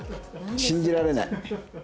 信じられない。